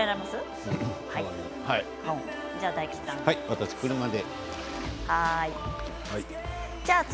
私は車で。